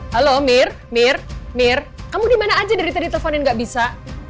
halo mir mir mir kamu gimana aja dari tadi telepon nggak bisa